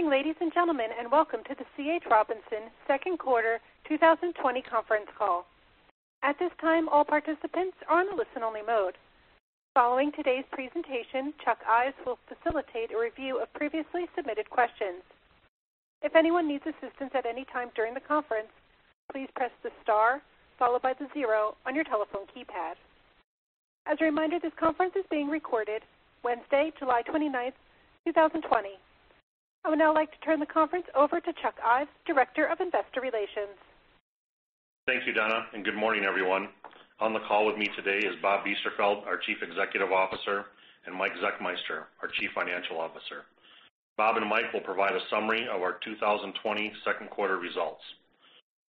Morning, ladies and gentlemen, welcome to the C.H. Robinson second quarter 2020 conference call. At this time, all participants are on listen only mode. Following today's presentation, Chuck Ives will facilitate a review of previously submitted questions. If anyone needs assistance at any time during the conference, please press the star followed by the zero on your telephone keypad. As a reminder, this conference is being recorded Wednesday, July 29th, 2020. I would now like to turn the conference over to Chuck Ives, Director of Investor Relations. Thank you, Donna, and good morning, everyone. On the call with me today is Bob Biesterfeld, our Chief Executive Officer, and Mike Zechmeister, our Chief Financial Officer. Bob and Mike will provide a summary of our 2020 second quarter results.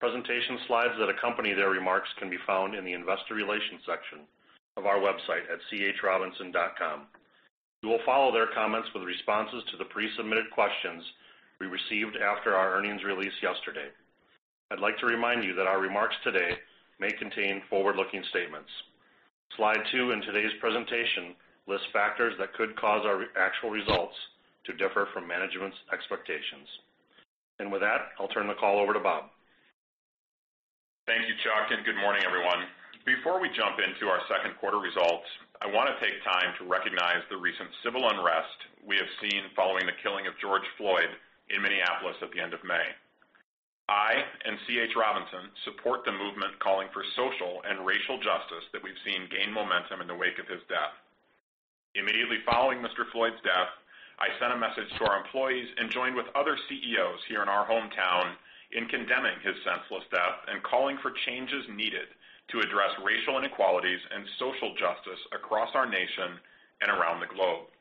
Presentation slides that accompany their remarks can be found in the investor relations section of our website at chrobinson.com. We will follow their comments with responses to the pre-submitted questions we received after our earnings release yesterday. I'd like to remind you that our remarks today may contain forward-looking statements. Slide two in today's presentation lists factors that could cause our actual results to differ from management's expectations. With that, I'll turn the call over to Bob. Thank you, Chuck, and good morning, everyone. Before we jump into our second quarter results, I want to take time to recognize the recent civil unrest we have seen following the killing of George Floyd in Minneapolis at the end of May. I and C.H. Robinson support the movement calling for social and racial justice that we've seen gain momentum in the wake of his death. Immediately following Mr. Floyd's death, I sent a message to our employees and joined with other CEOs here in our hometown in condemning his senseless death and calling for changes needed to address racial inequalities and social justice across our nation and around the globe.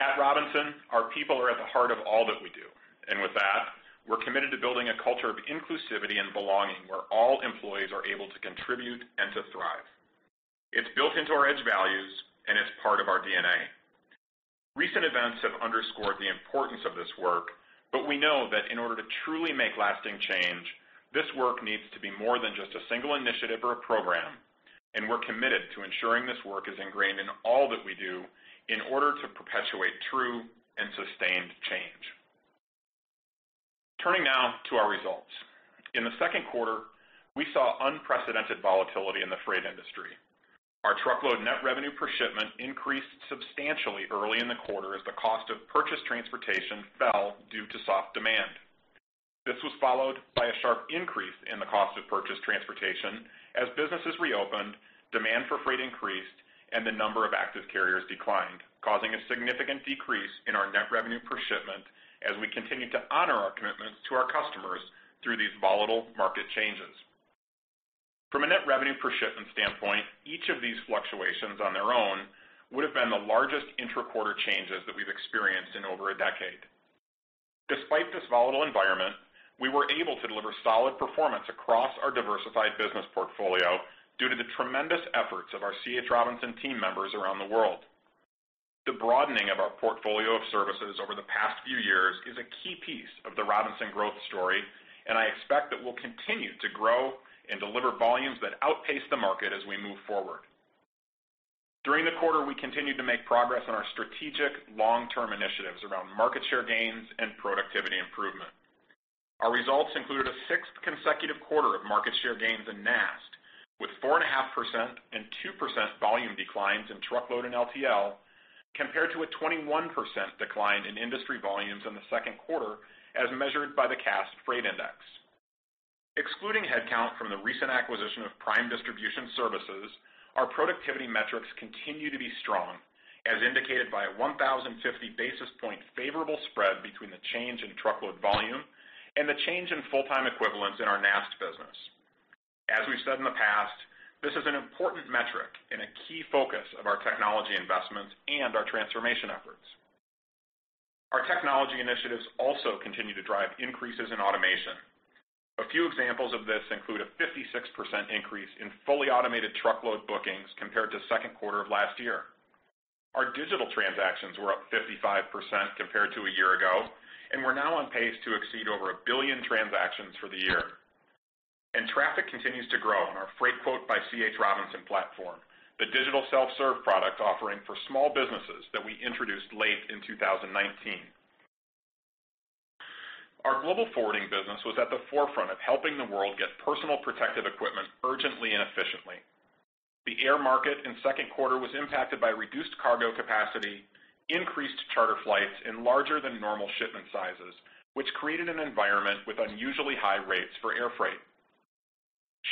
At Robinson, our people are at the heart of all that we do. With that, we're committed to building a culture of inclusivity and belonging, where all employees are able to contribute and to thrive. It's built into our edge values, and it's part of our DNA. Recent events have underscored the importance of this work. We know that in order to truly make lasting change, this work needs to be more than just a single initiative or a program. We're committed to ensuring this work is ingrained in all that we do in order to perpetuate true and sustained change. Turning now to our results. In the second quarter, we saw unprecedented volatility in the freight industry. Our truckload net revenue per shipment increased substantially early in the quarter as the cost of purchased transportation fell due to soft demand. This was followed by a sharp increase in the cost of purchased transportation as businesses reopened, demand for freight increased, and the number of active carriers declined, causing a significant decrease in our net revenue per shipment as we continued to honor our commitments to our customers through these volatile market changes. From a net revenue per shipment standpoint, each of these fluctuations on their own would have been the largest intra-quarter changes that we've experienced in over a decade. Despite this volatile environment, we were able to deliver solid performance across our diversified business portfolio due to the tremendous efforts of our C.H. Robinson team members around the world. The broadening of our portfolio of services over the past few years is a key piece of the Robinson growth story, and I expect that we'll continue to grow and deliver volumes that outpace the market as we move forward. During the quarter, we continued to make progress on our strategic long-term initiatives around market share gains and productivity improvement. Our results included a sixth consecutive quarter of market share gains in NAST, with 4.5% and 2% volume declines in truckload and LTL, compared to a 21% decline in industry volumes in the second quarter as measured by the Cass Freight Index. Excluding headcount from the recent acquisition of Prime Distribution Services, our productivity metrics continue to be strong, as indicated by a 1,050 basis point favorable spread between the change in truckload volume and the change in full-time equivalents in our NAST business. As we've said in the past, this is an important metric and a key focus of our technology investments and our transformation efforts. Our technology initiatives also continue to drive increases in automation. A few examples of this include a 56% increase in fully automated truckload bookings compared to second quarter of last year. Our digital transactions were up 55% compared to a year ago, and we're now on pace to exceed over a billion transactions for the year. Traffic continues to grow on our Freightquote by C.H. Robinson platform, the digital self-serve product offering for small businesses that we introduced late in 2019. Our global forwarding business was at the forefront of helping the world get personal protective equipment urgently and efficiently. The air market in second quarter was impacted by reduced cargo capacity, increased charter flights, and larger than normal shipment sizes, which created an environment with unusually high rates for airfreight.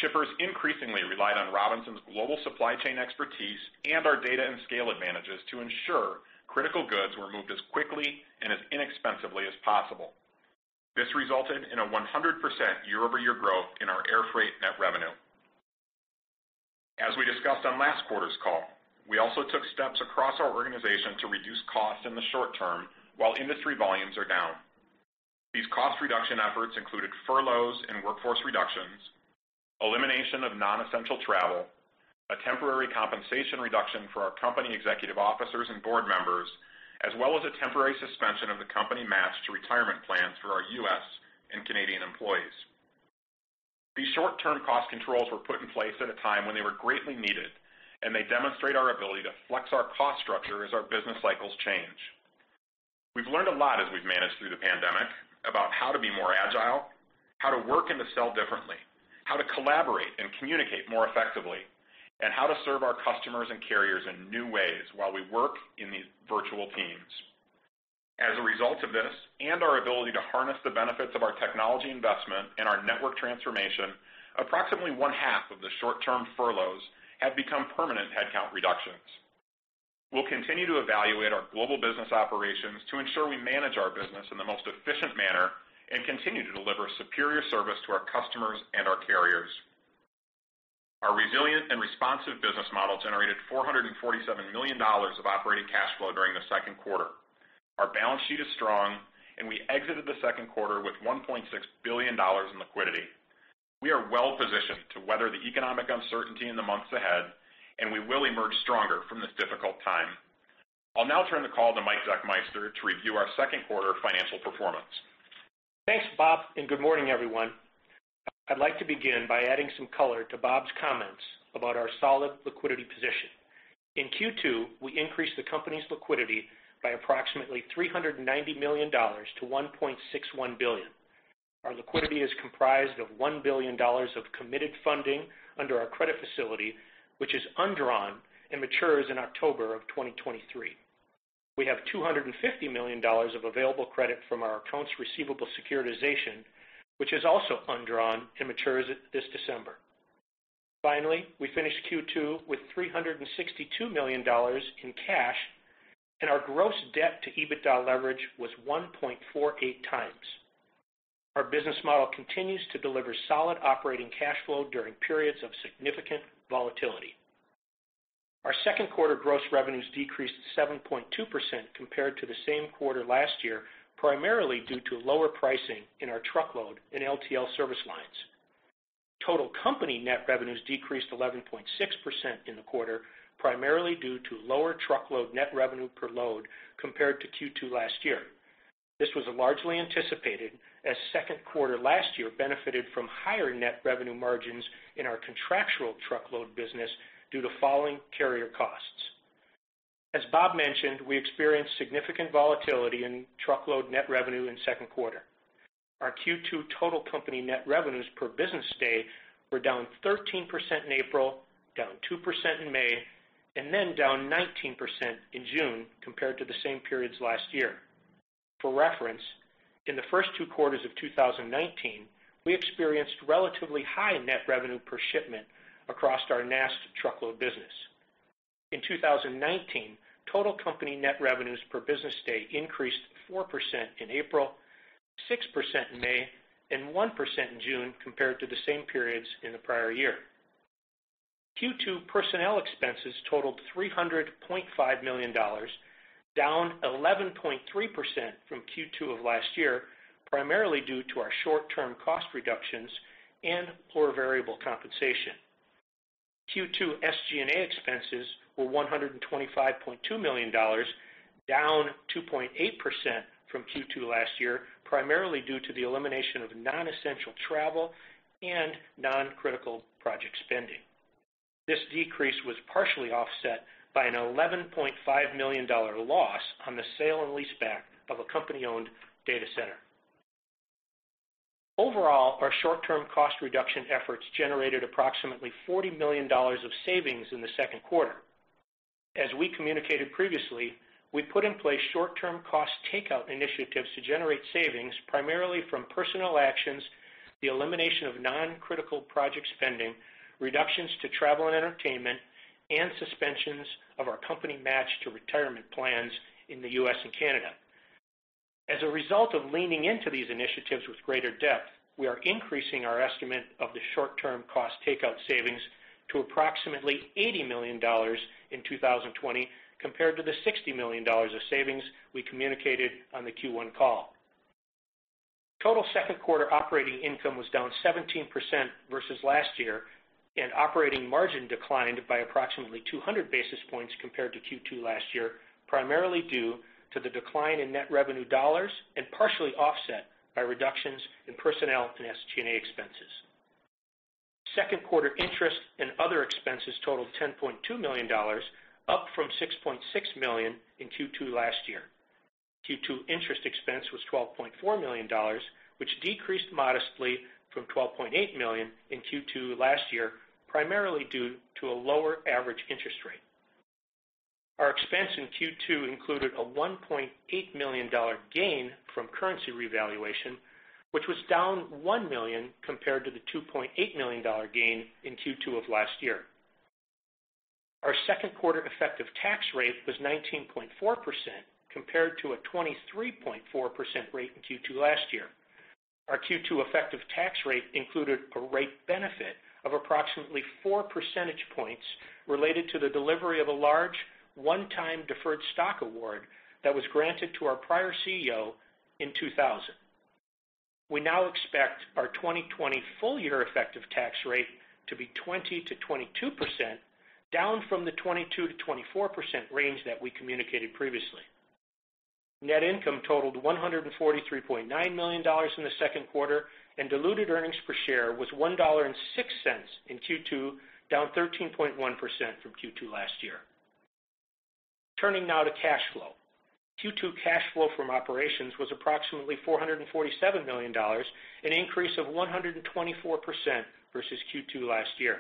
Shippers increasingly relied on Robinson's global supply chain expertise and our data and scale advantages to ensure critical goods were moved as quickly and as inexpensively as possible. This resulted in a 100% year-over-year growth in our airfreight net revenue. As we discussed on last quarter's call, we also took steps across our organization to reduce costs in the short term while industry volumes are down. These cost reduction efforts included furloughs and workforce reductions, elimination of non-essential travel, a temporary compensation reduction for our company executive officers and board members, as well as a temporary suspension of the company match to retirement plan Canadian employees. These short-term cost controls were put in place at a time when they were greatly needed. They demonstrate our ability to flex our cost structure as our business cycles change. We've learned a lot as we've managed through the pandemic about how to be more agile, how to work and to sell differently, how to collaborate and communicate more effectively, and how to serve our customers and carriers in new ways while we work in these virtual teams. As a result of this and our ability to harness the benefits of our technology investment and our network transformation, approximately one-half of the short-term furloughs have become permanent headcount reductions. We'll continue to evaluate our global business operations to ensure we manage our business in the most efficient manner and continue to deliver superior service to our customers and our carriers. Our resilient and responsive business model generated $447 million of operating cash flow during the second quarter. Our balance sheet is strong, and we exited the second quarter with $1.6 billion in liquidity. We are well-positioned to weather the economic uncertainty in the months ahead, and we will emerge stronger from this difficult time. I'll now turn the call to Mike Zechmeister to review our second quarter financial performance. Thanks, Bob, good morning, everyone. I'd like to begin by adding some color to Bob's comments about our solid liquidity position. In Q2, we increased the company's liquidity by approximately $390 million to $1.61 billion. Our liquidity is comprised of $1 billion of committed funding under our credit facility, which is undrawn and matures in October of 2023. We have $250 million of available credit from our accounts receivable securitization, which is also undrawn and matures this December. Finally, we finished Q2 with $362 million in cash, our gross debt to EBITDA leverage was 1.48x. Our business model continues to deliver solid operating cash flow during periods of significant volatility. Our second quarter gross revenues decreased 7.2% compared to the same quarter last year, primarily due to lower pricing in our Truckload and LTL service lines. Total company net revenues decreased 11.6% in the quarter, primarily due to lower Truckload net revenue per load compared to Q2 last year. This was largely anticipated, as second quarter last year benefited from higher net revenue margins in our contractual Truckload business due to falling carrier costs. As Bob mentioned, we experienced significant volatility in Truckload net revenue in second quarter. Our Q2 total company net revenues per business day were down 13% in April, down 2% in May, and then down 19% in June compared to the same periods last year. For reference, in the first two quarters of 2019, we experienced relatively high net revenue per shipment across our NAST Truckload business. In 2019, total company net revenues per business day increased 4% in April, 6% in May, and 1% in June compared to the same periods in the prior year. Q2 personnel expenses totaled $300.5 million, down 11.3% from Q2 of last year, primarily due to our short-term cost reductions and poor variable compensation. Q2 SG&A expenses were $125.2 million, down 2.8% from Q2 last year, primarily due to the elimination of non-essential travel and non-critical project spending. This decrease was partially offset by an $11.5 million loss on the sale and leaseback of a company-owned data center. Overall, our short-term cost reduction efforts generated approximately $40 million of savings in the second quarter. As we communicated previously, we put in place short-term cost takeout initiatives to generate savings, primarily from personnel actions, the elimination of non-critical project spending, reductions to travel and entertainment, and suspensions of our company match to retirement plans in the U.S. and Canada. As a result of leaning into these initiatives with greater depth, we are increasing our estimate of the short-term cost takeout savings to approximately $80 million in 2020 compared to the $60 million of savings we communicated on the Q1 call. Total second quarter operating income was down 17% versus last year, and operating margin declined by approximately 200 basis points compared to Q2 last year, primarily due to the decline in net revenue dollars and partially offset by reductions in personnel and SG&A expenses. Second quarter interest and other expenses totaled $10.2 million, up from $6.6 million in Q2 last year. Q2 interest expense was $12.4 million, which decreased modestly from $12.8 million in Q2 last year, primarily due to a lower average interest rate. Our expense in Q2 included a $1.8 million gain from currency revaluation, which was down $1 million compared to the $2.8 million gain in Q2 of last year. Our second quarter effective tax rate was 19.4% compared to a 23.4% rate in Q2 last year. Our Q2 effective tax rate included a rate benefit of approximately 4 percentage points related to the delivery of a large one-time deferred stock award that was granted to our prior CEO in 2000. We now expect our 2020 full-year effective tax rate to be 20%-22%, down from the 22%-24% range that we communicated previously. Net income totaled $143.9 million in the second quarter, and diluted earnings per share was $1.06 in Q2, down 13.1% from Q2 last year. Turning now to cash flow. Q2 cash flow from operations was approximately $447 million, an increase of 124% versus Q2 last year.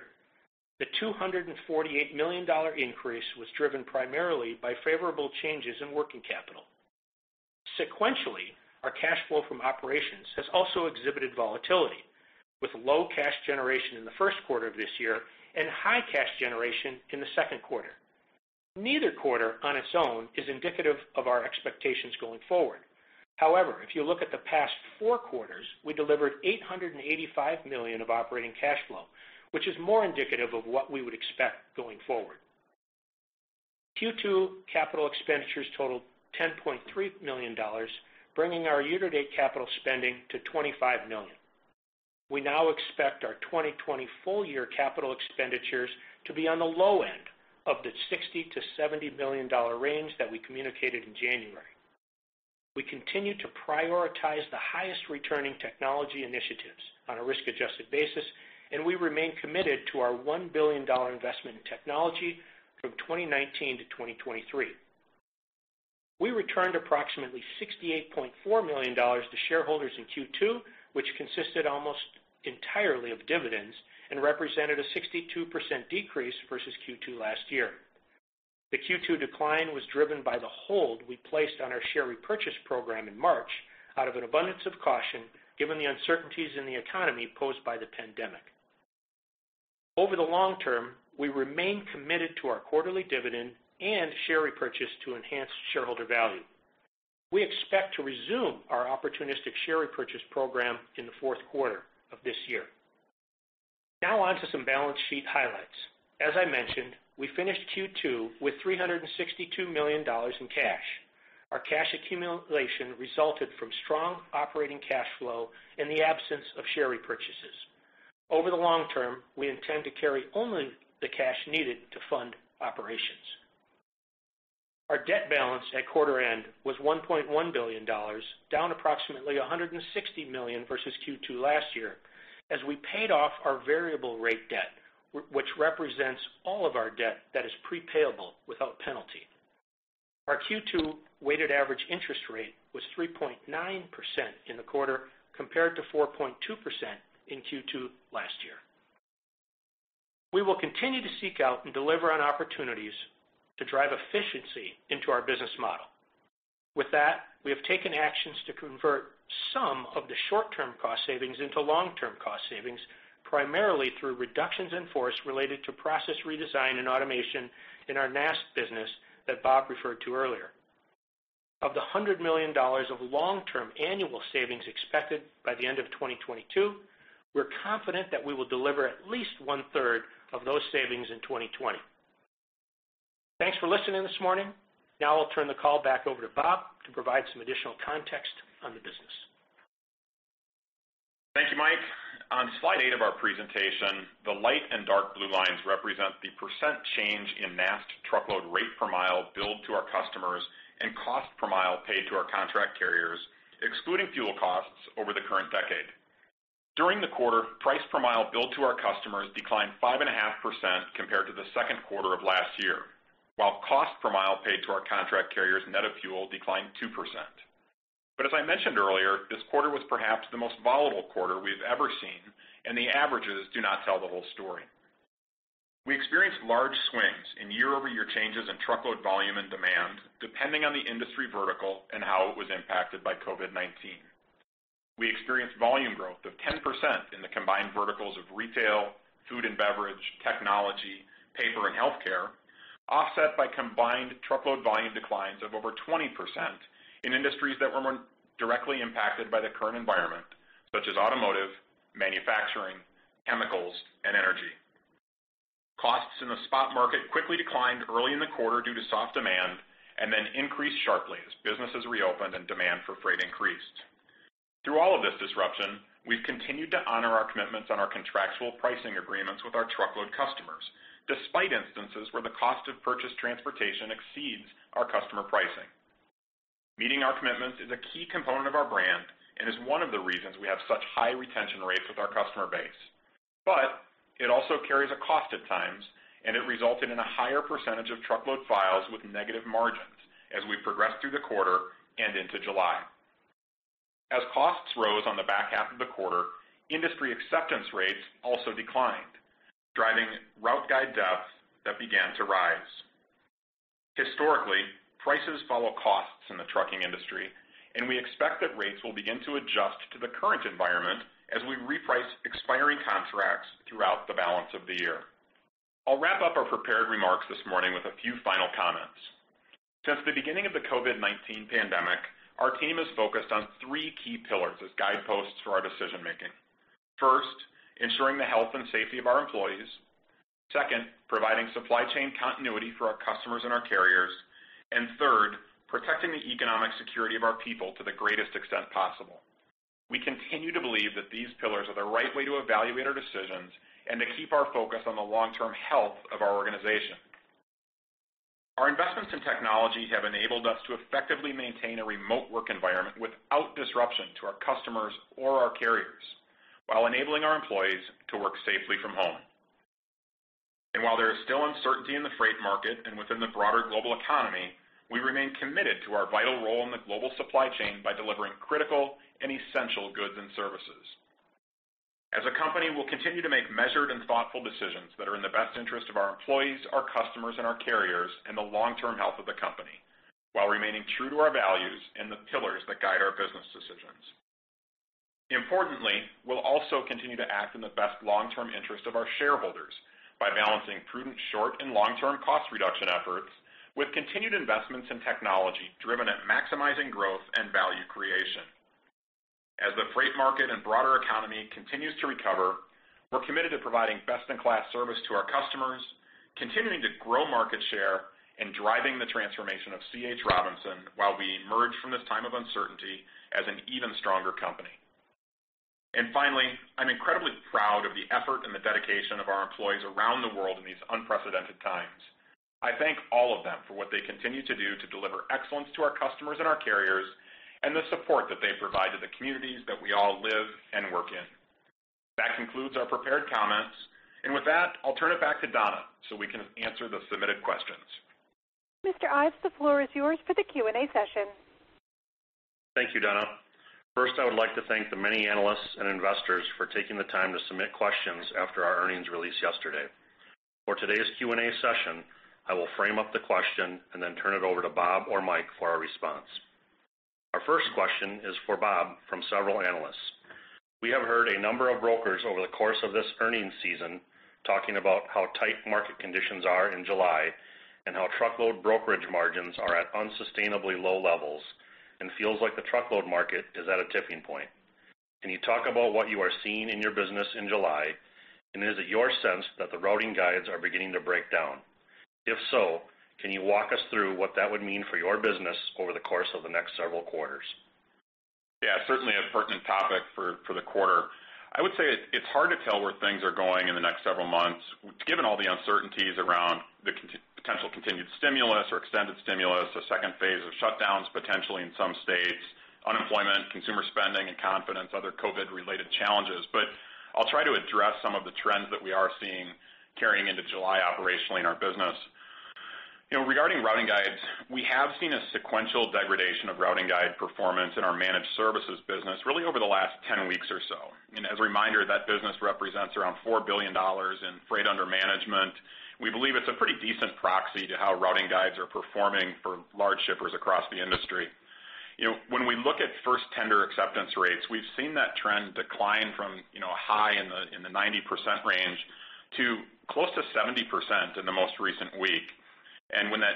The $248 million increase was driven primarily by favorable changes in working capital. Sequentially, our cash flow from operations has also exhibited volatility, with low cash generation in the first quarter of this year and high cash generation in the second quarter. Neither quarter on its own is indicative of our expectations going forward. If you look at the past four quarters, we delivered $885 million of operating cash flow, which is more indicative of what we would expect going forward. Q2 capital expenditures totaled $10.3 million, bringing our year-to-date capital spending to $25 million. We now expect our 2020 full-year capital expenditures to be on the low end of the $60 million-$70 million range that we communicated in January. We continue to prioritize the highest returning technology initiatives on a risk-adjusted basis. We remain committed to our $1 billion investment in technology from 2019 to 2023. We returned approximately $68.4 million to shareholders in Q2, which consisted almost entirely of dividends and represented a 62% decrease versus Q2 last year. The Q2 decline was driven by the hold we placed on our share repurchase program in March out of an abundance of caution, given the uncertainties in the economy posed by the pandemic. Over the long term, we remain committed to our quarterly dividend and share repurchase to enhance shareholder value. We expect to resume our opportunistic share repurchase program in the fourth quarter of this year. Now on to some balance sheet highlights. As I mentioned, we finished Q2 with $362 million in cash. Our cash accumulation resulted from strong operating cash flow and the absence of share repurchases. Over the long term, we intend to carry only the cash needed to fund operations. Our debt balance at quarter end was $1.1 billion, down approximately $160 million versus Q2 last year, as we paid off our variable rate debt, which represents all of our debt that is prepayable without penalty. Our Q2 weighted average interest rate was 3.9% in the quarter, compared to 4.2% in Q2 last year. We will continue to seek out and deliver on opportunities to drive efficiency into our business model. With that, we have taken actions to convert some of the short-term cost savings into long-term cost savings, primarily through reductions in force related to process redesign and automation in our NAST business that Bob referred to earlier. Of the $100 million of long-term annual savings expected by the end of 2022, we're confident that we will deliver at least one-third of those savings in 2020. Thanks for listening this morning. Now I'll turn the call back over to Bob to provide some additional context on the business. Thank you, Mike. On slide eight of our presentation, the light and dark blue lines represent the percent change in NAST truckload rate per mile billed to our customers and cost per mile paid to our contract carriers, excluding fuel costs over the current decade. During the quarter, price per mile billed to our customers declined 5.5% compared to the second quarter of last year, while cost per mile paid to our contract carriers net of fuel declined 2%. As I mentioned earlier, this quarter was perhaps the most volatile quarter we've ever seen, and the averages do not tell the whole story. We experienced large swings in year-over-year changes in truckload volume and demand, depending on the industry vertical and how it was impacted by COVID-19. We experienced volume growth of 10% in the combined verticals of retail, food and beverage, technology, paper, and healthcare, offset by combined truckload volume declines of over 20% in industries that were more directly impacted by the current environment, such as automotive, manufacturing, chemicals, and energy. Costs in the spot market quickly declined early in the quarter due to soft demand, and then increased sharply as businesses reopened and demand for freight increased. Through all of this disruption, we've continued to honor our commitments on our contractual pricing agreements with our truckload customers, despite instances where the cost of purchased transportation exceeds our customer pricing. Meeting our commitments is a key component of our brand and is one of the reasons we have such high retention rates with our customer base. It also carries a cost at times, and it resulted in a higher percentage of truckload files with negative margins as we progressed through the quarter and into July. As costs rose on the back half of the quarter, industry acceptance rates also declined, driving routing guide depths that began to rise. Historically, prices follow costs in the trucking industry, and we expect that rates will begin to adjust to the current environment as we reprice expiring contracts throughout the balance of the year. I'll wrap up our prepared remarks this morning with a few final comments. Since the beginning of the COVID-19 pandemic, our team has focused on three key pillars as guideposts for our decision-making. First, ensuring the health and safety of our employees. Second, providing supply chain continuity for our customers and our carriers. Third, protecting the economic security of our people to the greatest extent possible. We continue to believe that these pillars are the right way to evaluate our decisions and to keep our focus on the long-term health of our organization. Our investments in technology have enabled us to effectively maintain a remote work environment without disruption to our customers or our carriers, while enabling our employees to work safely from home. While there is still uncertainty in the freight market and within the broader global economy, we remain committed to our vital role in the global supply chain by delivering critical and essential goods and services. As a company, we'll continue to make measured and thoughtful decisions that are in the best interest of our employees, our customers, and our carriers, and the long-term health of the company while remaining true to our values and the pillars that guide our business decisions. Importantly, we'll also continue to act in the best long-term interest of our shareholders by balancing prudent short- and long-term cost reduction efforts with continued investments in technology driven at maximizing growth and value creation. As the freight market and broader economy continues to recover, we're committed to providing best-in-class service to our customers, continuing to grow market share, and driving the transformation of C.H. Robinson while we emerge from this time of uncertainty as an even stronger company. Finally, I'm incredibly proud of the effort and the dedication of our employees around the world in these unprecedented times. I thank all of them for what they continue to do to deliver excellence to our customers and our carriers, and the support that they provide to the communities that we all live and work in. That concludes our prepared comments. With that, I'll turn it back to Donna so we can answer the submitted questions. Mr. Ives, the floor is yours for the Q&A session. Thank you, Donna. First, I would like to thank the many analysts and investors for taking the time to submit questions after our earnings release yesterday. For today's Q&A session, I will frame up the question and then turn it over to Bob or Mike for a response. Our first question is for Bob from several analysts. We have heard a number of brokers over the course of this earnings season talking about how tight market conditions are in July, and how truckload brokerage margins are at unsustainably low levels, and feels like the truckload market is at a tipping point. Can you talk about what you are seeing in your business in July? Is it your sense that the routing guides are beginning to break down? If so, can you walk us through what that would mean for your business over the course of the next several quarters? Certainly a pertinent topic for the quarter. I would say it's hard to tell where things are going in the next several months, given all the uncertainties around the potential continued stimulus or extended stimulus, a second phase of shutdowns potentially in some states, unemployment, consumer spending and confidence, other COVID-related challenges. I'll try to address some of the trends that we are seeing carrying into July operationally in our business. Regarding routing guides, we have seen a sequential degradation of routing guide performance in our managed services business really over the last 10 weeks or so. As a reminder, that business represents around $4 billion in freight under management. We believe it's a pretty decent proxy to how routing guides are performing for large shippers across the industry. When we look at first tender acceptance rates, we've seen that trend decline from a high in the 90% range to close to 70% in the most recent week.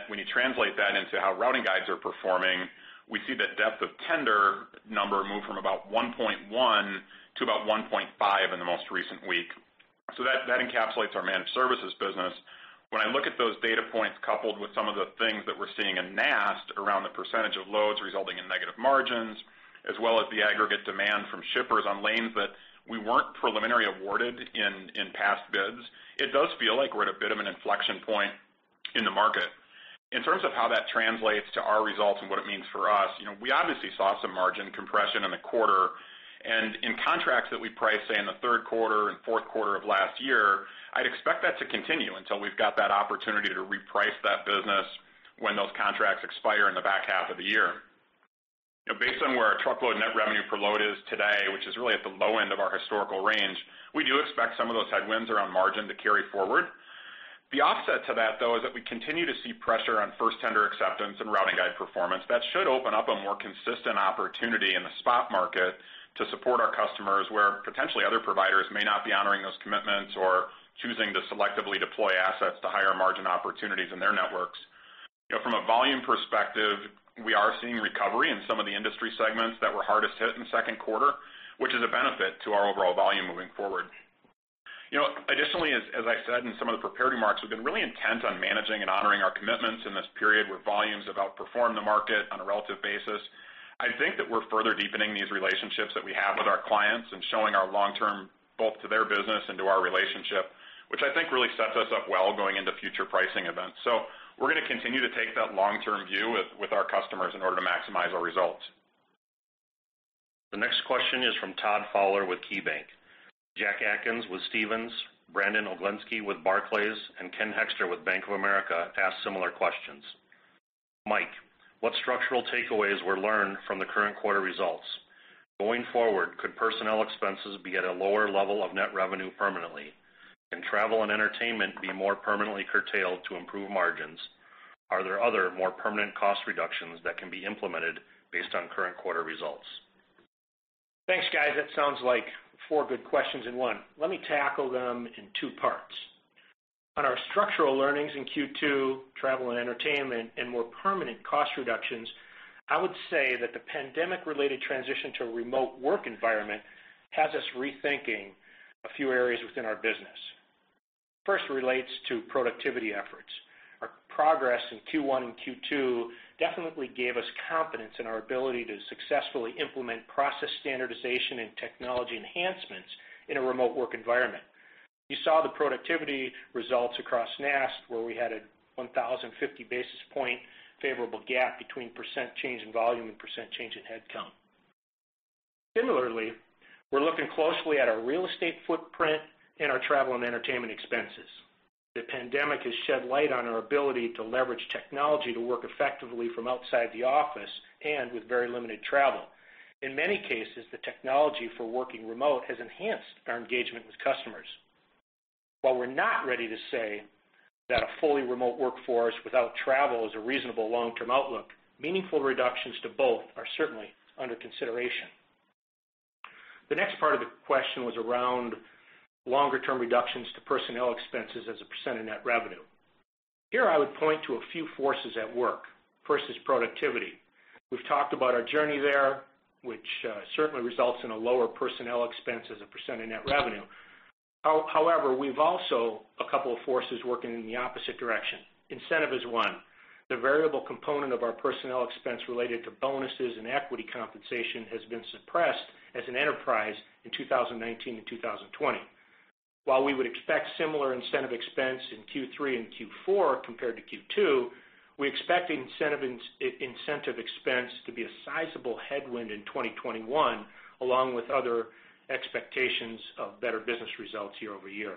When you translate that into how routing guides are performing, we see the depth of tender number move from about 1.1 to about 1.5 in the most recent week. That encapsulates our managed services business. When I look at those data points coupled with some of the things that we're seeing in NAST around the percentage of loads resulting in negative margins, as well as the aggregate demand from shippers on lanes that we weren't preliminary awarded in past bids, it does feel like we're at a bit of an inflection point in the market. In terms of how that translates to our results and what it means for us, we obviously saw some margin compression in the quarter. In contracts that we priced, say, in the third quarter and fourth quarter of last year, I'd expect that to continue until we've got that opportunity to reprice that business when those contracts expire in the back half of the year. Based on where our truckload net revenue per load is today, which is really at the low end of our historical range, we do expect some of those headwinds around margin to carry forward. The offset to that, though, is that we continue to see pressure on first tender acceptance and routing guide performance. That should open up a more consistent opportunity in the spot market to support our customers where potentially other providers may not be honoring those commitments or choosing to selectively deploy assets to higher margin opportunities in their networks. From a volume perspective, we are seeing recovery in some of the industry segments that were hardest hit in the second quarter, which is a benefit to our overall volume moving forward. Additionally, as I said in some of the prepared remarks, we've been really intent on managing and honoring our commitments in this period where volumes have outperformed the market on a relative basis. I think that we're further deepening these relationships that we have with our clients and showing our long-term both to their business and to our relationship, which I think really sets us up well going into future pricing events. We're going to continue to take that long-term view with our customers in order to maximize our results. The next question is from Todd Fowler with KeyBanc. Jack Atkins with Stephens, Brandon Oglenski with Barclays, and Ken Hoexter with Bank of America asked similar questions. Mike, what structural takeaways were learned from the current quarter results? Going forward, could personnel expenses be at a lower level of net revenue permanently? Can travel and entertainment be more permanently curtailed to improve margins? Are there other more permanent cost reductions that can be implemented based on current quarter results? Thanks, guys. That sounds like four good questions in one. Let me tackle them in two parts. On our structural learnings in Q2, travel and entertainment, and more permanent cost reductions, I would say that the pandemic-related transition to a remote work environment has us rethinking a few areas within our business. First relates to productivity efforts. Our progress in Q1 and Q2 definitely gave us confidence in our ability to successfully implement process standardization and technology enhancements in a remote work environment. You saw the productivity results across NAST, where we had a 1,050 basis point favorable gap between percent change in volume and percent change in headcount. Similarly, we're looking closely at our real estate footprint and our travel and entertainment expenses. The pandemic has shed light on our ability to leverage technology to work effectively from outside the office and with very limited travel. In many cases, the technology for working remote has enhanced our engagement with customers. While we're not ready to say that a fully remote workforce without travel is a reasonable long-term outlook, meaningful reductions to both are certainly under consideration. The next part of the question was around longer-term reductions to personnel expenses as a percent of net revenue. Here, I would point to a few forces at work. First is productivity. We've talked about our journey there, which certainly results in a lower personnel expense as a percent of net revenue. However, we've also a couple of forces working in the opposite direction. Incentive is one. The variable component of our personnel expense related to bonuses and equity compensation has been suppressed as an enterprise in 2019 and 2020. While we would expect similar incentive expense in Q3 and Q4 compared to Q2, we expect incentive expense to be a sizable headwind in 2021, along with other expectations of better business results year-over-year.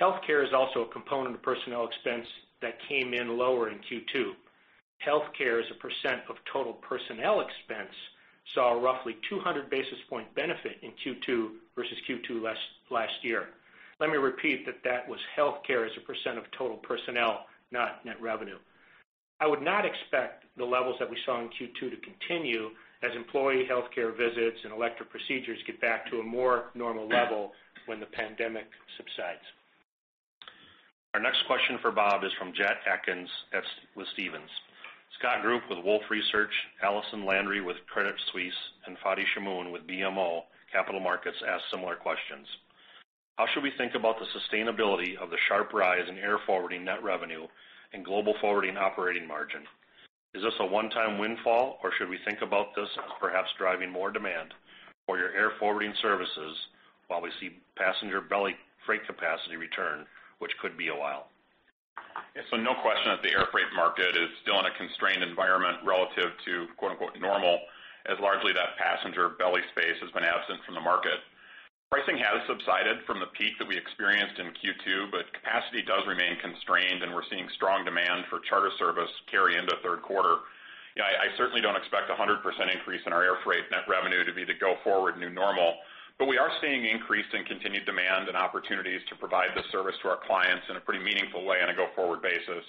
Healthcare is also a component of personnel expense that came in lower in Q2. Healthcare as a percent of total personnel expense, saw a roughly 200 basis point benefit in Q2 versus Q2 last year. Let me repeat that that was healthcare as a percent of total personnel, not net revenue. I would not expect the levels that we saw in Q2 to continue as employee healthcare visits and elective procedures get back to a more normal level when the pandemic subsides. Our next question for Bob is from Jack Atkins with Stephens. Scott Group with Wolfe Research, Allison Landry with Credit Suisse, and Fadi Chamoun with BMO Capital Markets asked similar questions. How should we think about the sustainability of the sharp rise in air forwarding net revenue and global forwarding operating margin? Is this a one-time windfall, or should we think about this as perhaps driving more demand for your air forwarding services while we see passenger belly freight capacity return, which could be a while? Yeah. No question that the air freight market is still in a constrained environment relative to, quote-unquote, "normal," as largely that passenger belly space has been absent from the market. Pricing has subsided from the peak that we experienced in Q2, but capacity does remain constrained, and we're seeing strong demand for charter service carry into third quarter. Yeah, I certainly don't expect 100% increase in our air freight net revenue to be the go-forward new normal, but we are seeing increased and continued demand and opportunities to provide this service to our clients in a pretty meaningful way on a go-forward basis.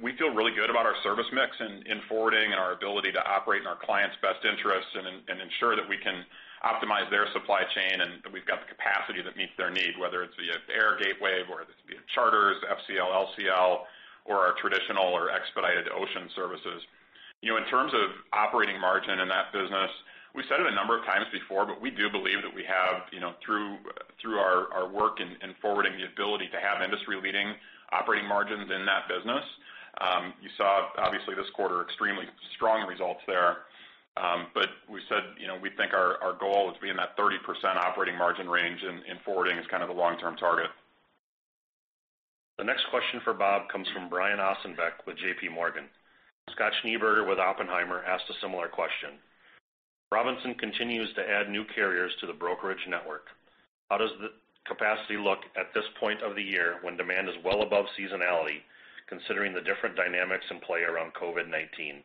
We feel really good about our service mix in Forwarding and our ability to operate in our clients' best interests and ensure that we can optimize their supply chain, and we've got the capacity that meets their need, whether it's via air gateway or via charters, FCL, LCL, or our traditional or expedited ocean services. In terms of operating margin in that business, we said it a number of times before, but we do believe that we have, through our work in Forwarding, the ability to have industry-leading operating margins in that business. You saw, obviously, this quarter extremely strong results there. We said we think our goal is to be in that 30% operating margin range in Forwarding is kind of the long-term target. The next question for Bob comes from Brian Ossenbeck with JPMorgan. Scott Schneeberger with Oppenheimer asked a similar question. Robinson continues to add new carriers to the brokerage network. How does the capacity look at this point of the year when demand is well above seasonality, considering the different dynamics in play around COVID-19?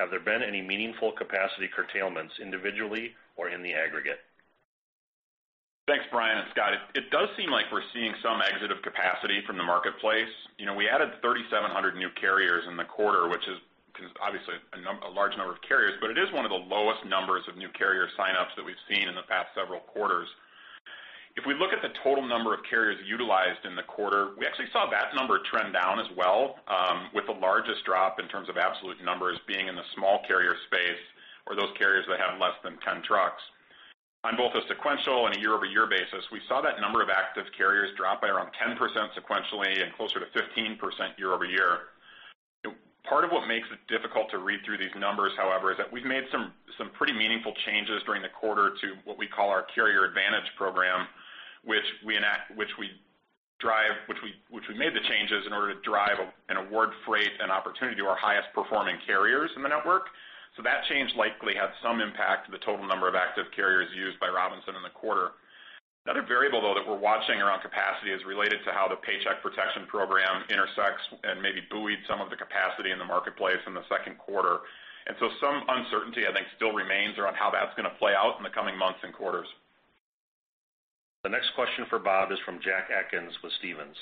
Have there been any meaningful capacity curtailments individually or in the aggregate? Thanks, Brian and Scott. It does seem like we're seeing some exit of capacity from the marketplace. We added 3,700 new carriers in the quarter, which is obviously a large number of carriers, but it is one of the lowest numbers of new carrier sign-ups that we've seen in the past several quarters. If we look at the total number of carriers utilized in the quarter, we actually saw that number trend down as well, with the largest drop in terms of absolute numbers being in the small carrier space or those carriers that have less than 10 trucks. On both a sequential and a year-over-year basis, we saw that number of active carriers drop by around 10% sequentially and closer to 15% year-over-year. Part of what makes it difficult to read through these numbers, however, is that we've made some pretty meaningful changes during the quarter to what we call our Carrier Advantage program, which we made the changes in order to drive and award freight and opportunity to our highest performing carriers in the network. That change likely had some impact to the total number of active carriers used by Robinson in the quarter. Another variable, though, that we're watching around capacity is related to how the Paycheck Protection Program intersects and maybe buoyed some of the capacity in the marketplace in the second quarter. Some uncertainty, I think, still remains around how that's going to play out in the coming months and quarters. The next question for Bob is from Jack Atkins with Stephens.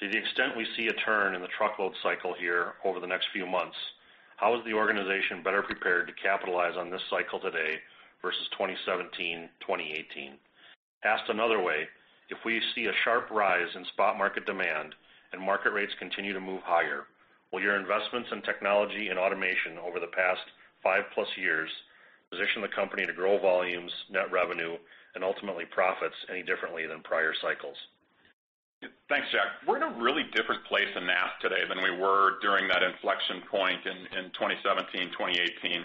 To the extent we see a turn in the truckload cycle here over the next few months, how is the organization better prepared to capitalize on this cycle today versus 2017, 2018? Asked another way, if we see a sharp rise in spot market demand and market rates continue to move higher, will your investments in technology and automation over the past five-plus years position the company to grow volumes, net revenue, and ultimately profits any differently than prior cycles? Thanks, Jack. We're in a really different place in NAST today than we were during that inflection point in 2017, 2018.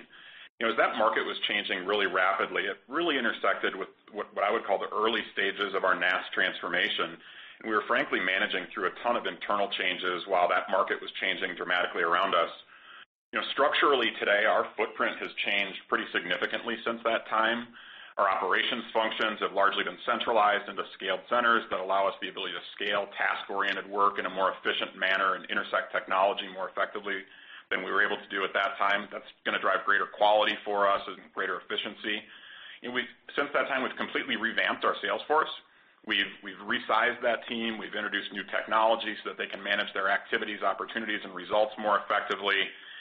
That market was changing really rapidly, it really intersected with what I would call the early stages of our NAST transformation. We were frankly managing through a ton of internal changes while that market was changing dramatically around us. Structurally today, our footprint has changed pretty significantly since that time. Our operations functions have largely been centralized into scaled centers that allow us the ability to scale task-oriented work in a more efficient manner and intersect technology more effectively than we were able to do at that time. That's going to drive greater quality for us and greater efficiency. Since that time, we've completely revamped our sales force. We've resized that team. We've introduced new technology so that they can manage their activities, opportunities, and results more effectively.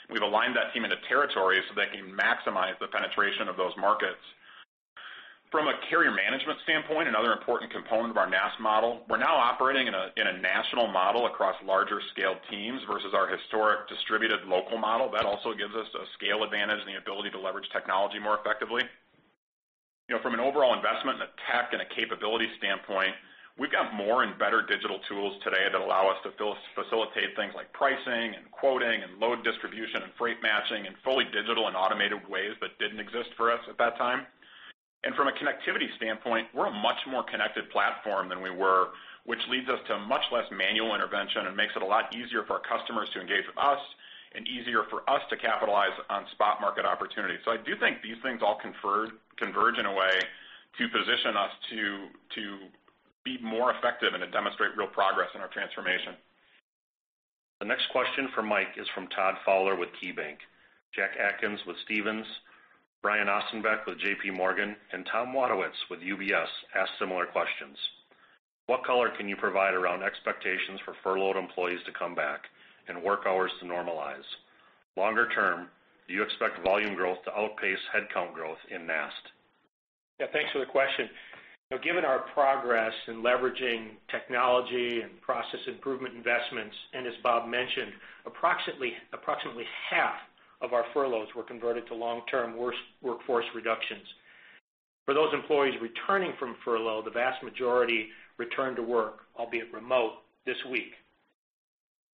We've aligned that team into territories so they can maximize the penetration of those markets. From a carrier management standpoint, another important component of our NAST model, we're now operating in a national model across larger-scaled teams versus our historic distributed local model. That also gives us a scale advantage and the ability to leverage technology more effectively. From an overall investment in a tech and a capability standpoint, we've got more and better digital tools today that allow us to facilitate things like pricing and quoting and load distribution and freight matching in fully digital and automated ways that didn't exist for us at that time. From a connectivity standpoint, we're a much more connected platform than we were, which leads us to much less manual intervention and makes it a lot easier for our customers to engage with us and easier for us to capitalize on spot market opportunities. I do think these things all converge in a way to position us to be more effective and to demonstrate real progress in our transformation. The next question for Mike is from Todd Fowler with KeyBanc. Jack Atkins with Stephens, Brian Ossenbeck with JPMorgan, and Tom Wadewitz with UBS asked similar questions. What color can you provide around expectations for furloughed employees to come back and work hours to normalize? Longer term, do you expect volume growth to outpace headcount growth in NAST? Yeah, thanks for the question. Given our progress in leveraging technology and process improvement investments, and as Bob mentioned, approximately half of our furloughs were converted to long-term workforce reductions. For those employees returning from furlough, the vast majority return to work, albeit remote, this week.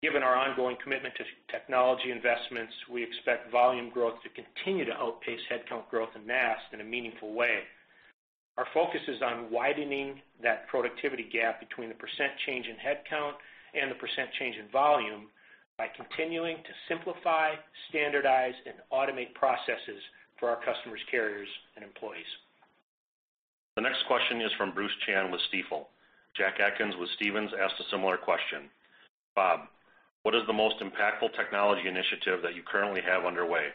Given our ongoing commitment to technology investments, we expect volume growth to continue to outpace headcount growth in NAST in a meaningful way. Our focus is on widening that productivity gap between the percent change in headcount and the percent change in volume by continuing to simplify, standardize, and automate processes for our customers, carriers, and employees. The next question is from Bruce Chan with Stifel. Jack Atkins with Stephens asked a similar question. Bob, what is the most impactful technology initiative that you currently have underway?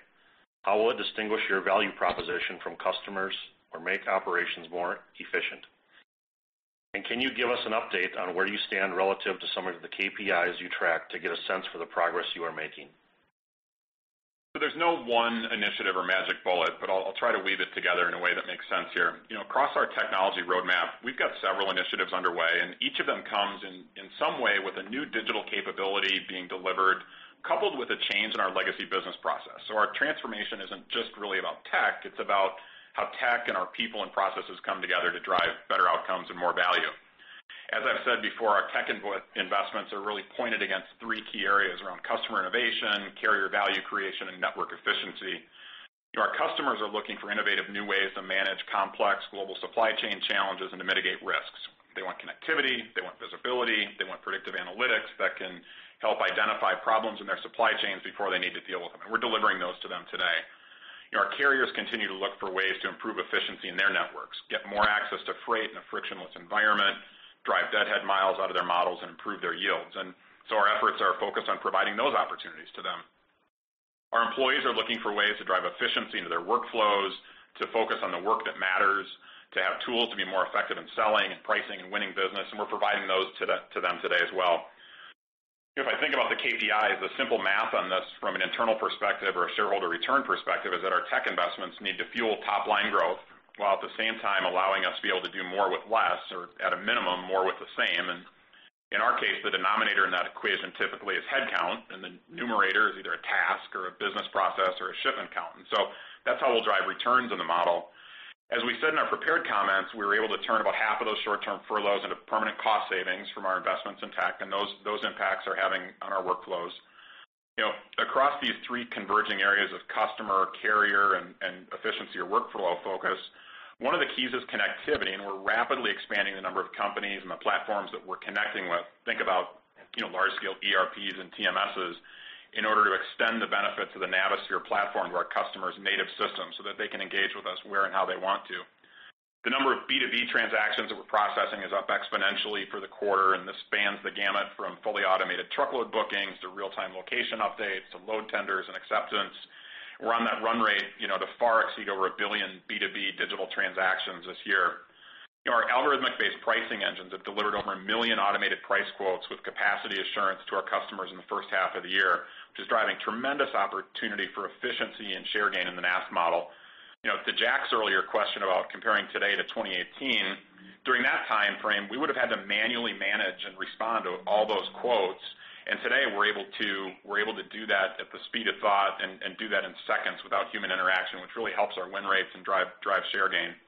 How will it distinguish your value proposition from customers or make operations more efficient? Can you give us an update on where you stand relative to some of the KPIs you track to get a sense for the progress you are making? There's no one initiative or magic bullet, but I'll try to weave it together in a way that makes sense here. Across our technology roadmap, we've got several initiatives underway, and each of them comes in some way with a new digital capability being delivered, coupled with a change in our legacy business process. Our transformation isn't just really about tech, it's about how tech and our people and processes come together to drive better outcomes and more value. As I've said before, our tech investments are really pointed against three key areas around customer innovation, carrier value creation, and network efficiency. Our customers are looking for innovative new ways to manage complex global supply chain challenges and to mitigate risks. They want connectivity. They want visibility. They want predictive analytics that can help identify problems in their supply chains before they need to deal with them. We're delivering those to them today. Our carriers continue to look for ways to improve efficiency in their networks, get more access to freight in a frictionless environment, drive deadhead miles out of their models, and improve their yields. Our efforts are focused on providing those opportunities to them. Our employees are looking for ways to drive efficiency into their workflows, to focus on the work that matters, to have tools to be more effective in selling and pricing and winning business, and we're providing those to them today as well. If I think about the KPIs, the simple math on this from an internal perspective or a shareholder return perspective is that our tech investments need to fuel top-line growth, while at the same time allowing us to be able to do more with less, or at a minimum, more with the same. In our case, the denominator in that equation typically is headcount, and the numerator is either a task or a business process or a shipment count. That's how we'll drive returns in the model. As we said in our prepared comments, we were able to turn about half of those short-term furloughs into permanent cost savings from our investments in tech, and those impacts are having on our workflows. Across these three converging areas of customer, carrier, and efficiency or workflow focus, one of the keys is connectivity, and we're rapidly expanding the number of companies and the platforms that we're connecting with. Think about large-scale ERPs and TMSs in order to extend the benefits of the Navisphere platform to our customers' native systems so that they can engage with us where and how they want to. The number of B2B transactions that we're processing is up exponentially for the quarter, and this spans the gamut from fully automated truckload bookings to real-time location updates to load tenders and acceptance. We're on that run rate to far exceed over 1 billion B2B digital transactions this year. Our algorithmic-based pricing engines have delivered over 1 million automated price quotes with capacity assurance to our customers in the first half of the year, which is driving tremendous opportunity for efficiency and share gain in the NAST model. To Jack's earlier question about comparing today to 2018 timeframe, we would have had to manually manage and respond to all those quotes. Today, we're able to do that at the speed of thought and do that in seconds without human interaction, which really helps our win rates and drive share gain.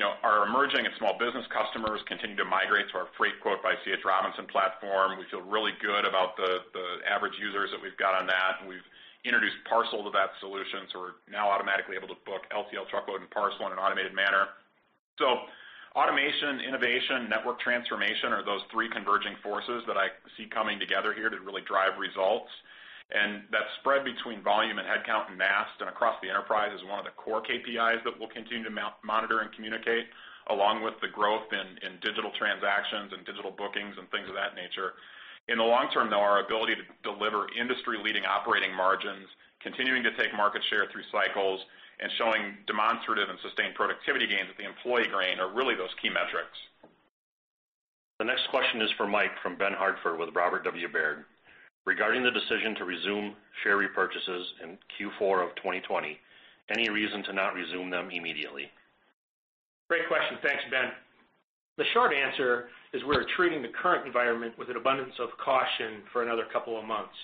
Our emerging and small business customers continue to migrate to our Freightquote by C.H. Robinson platform. We feel really good about the average users that we've got on that, and we've introduced parcel to that solution, so we're now automatically able to book LTL, truckload, and parcel in an automated manner. Automation, innovation, network transformation are those three converging forces that I see coming together here to really drive results. That spread between volume and headcount and NAST and across the enterprise is one of the core KPIs that we'll continue to monitor and communicate, along with the growth in digital transactions and digital bookings and things of that nature. In the long term, though, our ability to deliver industry-leading operating margins, continuing to take market share through cycles, and showing demonstrative and sustained productivity gains at the employee grain are really those key metrics. The next question is for Mike from Ben Hartford with Robert W. Baird. Regarding the decision to resume share repurchases in Q4 of 2020, any reason to not resume them immediately? Great question. Thanks, Ben. The short answer is we're treating the current environment with an abundance of caution for another couple of months.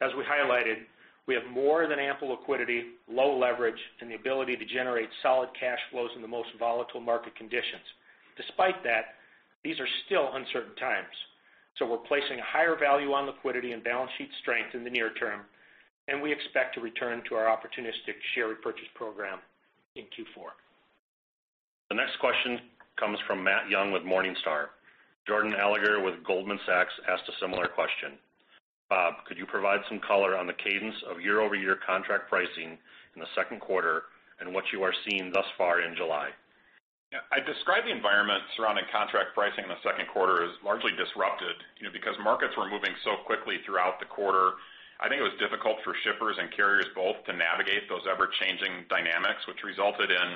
As we highlighted, we have more than ample liquidity, low leverage, and the ability to generate solid cash flows in the most volatile market conditions. Despite that, these are still uncertain times. We're placing a higher value on liquidity and balance sheet strength in the near term, and we expect to return to our opportunistic share repurchase program in Q4. The next question comes from Matt Young with Morningstar. Jordan Alliger with Goldman Sachs asked a similar question. Bob, could you provide some color on the cadence of year-over-year contract pricing in the second quarter and what you are seeing thus far in July? Yeah. I'd describe the environment surrounding contract pricing in the second quarter as largely disrupted. Because markets were moving so quickly throughout the quarter, I think it was difficult for shippers and carriers both to navigate those ever-changing dynamics, which resulted in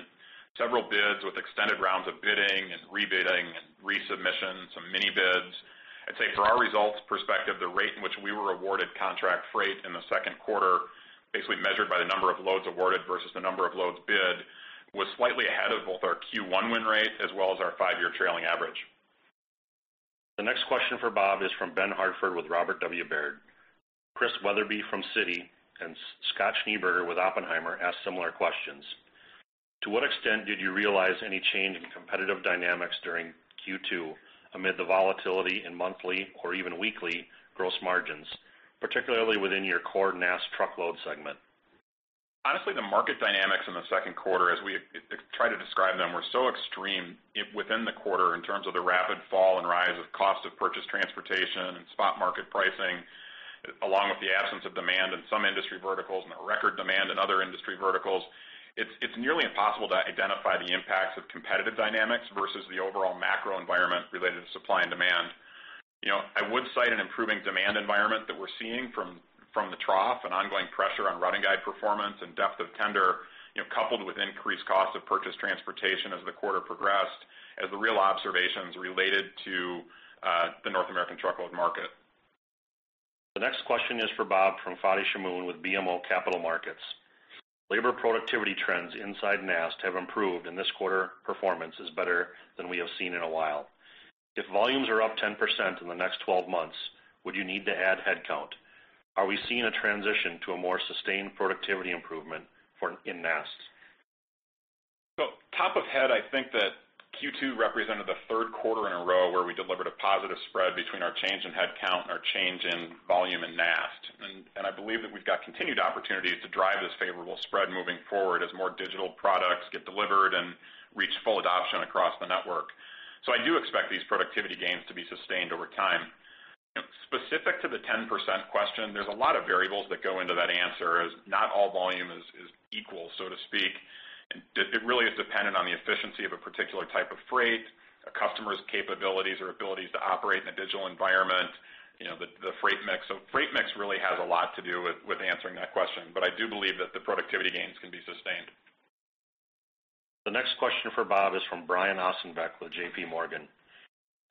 several bids with extended rounds of bidding and rebidding and resubmission, some mini bids. I'd say for our results perspective, the rate in which we were awarded contract freight in the second quarter, basically measured by the number of loads awarded versus the number of loads bid, was slightly ahead of both our Q1 win rate as well as our five-year trailing average. The next question for Bob is from Ben Hartford with Robert W. Baird. Chris Wetherbee from Citi and Scott Schneeberger with Oppenheimer asked similar questions. To what extent did you realize any change in competitive dynamics during Q2 amid the volatility in monthly or even weekly gross margins, particularly within your core NAST truckload segment? Honestly, the market dynamics in the second quarter, as we try to describe them, were so extreme within the quarter in terms of the rapid fall and rise of cost of purchased transportation and spot market pricing, along with the absence of demand in some industry verticals and the record demand in other industry verticals. It's nearly impossible to identify the impacts of competitive dynamics versus the overall macro environment related to supply and demand. I would cite an improving demand environment that we're seeing from the trough and ongoing pressure on routing guide performance and depth of tender, coupled with increased cost of purchased transportation as the quarter progressed, as the real observations related to the North American truckload market. The next question is for Bob from Fadi Chamoun with BMO Capital Markets. Labor productivity trends inside NAST have improved, and this quarter performance is better than we have seen in a while. If volumes are up 10% in the next 12 months, would you need to add headcount? Are we seeing a transition to a more sustained productivity improvement in NAST? Top of head, I think that Q2 represented the third quarter in a row where we delivered a positive spread between our change in headcount and our change in volume in NAST. I believe that we've got continued opportunities to drive this favorable spread moving forward as more digital products get delivered and reach full adoption across the network. I do expect these productivity gains to be sustained over time. Specific to the 10% question, there's a lot of variables that go into that answer, as not all volume is equal, so to speak. It really is dependent on the efficiency of a particular type of freight, a customer's capabilities or abilities to operate in a digital environment, the freight mix. Freight mix really has a lot to do with answering that question, but I do believe that the productivity gains can be sustained. The next question for Bob is from Brian Ossenbeck with JPMorgan.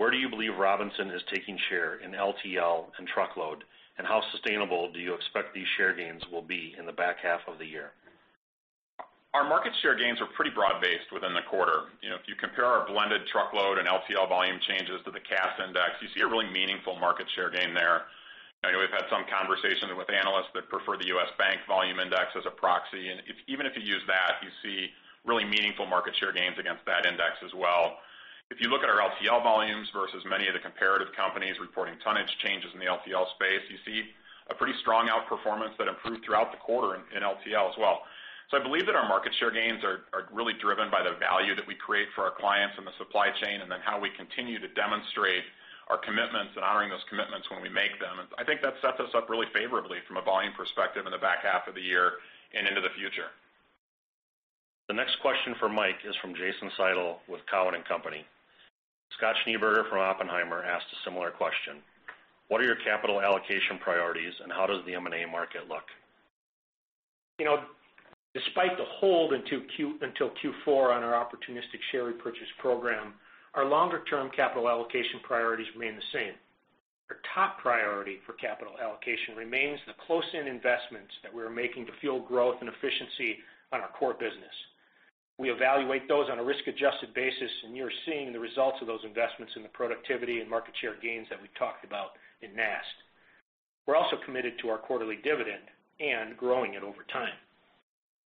Where do you believe Robinson is taking share in LTL and truckload? How sustainable do you expect these share gains will be in the back half of the year? Our market share gains are pretty broad-based within the quarter. If you compare our blended truckload and LTL volume changes to the Cass index, you see a really meaningful market share gain there. I know we've had some conversations with analysts that prefer the U.S. Bank volume index as a proxy, and even if you use that, you see really meaningful market share gains against that index as well. If you look at our LTL volumes versus many of the comparative companies reporting tonnage changes in the LTL space, you see a pretty strong outperformance that improved throughout the quarter in LTL as well. I believe that our market share gains are really driven by the value that we create for our clients and the supply chain, and then how we continue to demonstrate our commitments and honoring those commitments when we make them. I think that sets us up really favorably from a volume perspective in the back half of the year and into the future. The next question for Mike is from Jason Seidl with Cowen and Company. Scott Schneeberger from Oppenheimer asked a similar question. What are your capital allocation priorities, and how does the M&A market look? Despite the hold until Q4 on our opportunistic share repurchase program, our longer-term capital allocation priorities remain the same. Our top priority for capital allocation remains the close-end investments that we are making to fuel growth and efficiency on our core business. We evaluate those on a risk-adjusted basis, and you are seeing the results of those investments in the productivity and market share gains that we talked about in NAST. We're also committed to our quarterly dividend and growing it over time.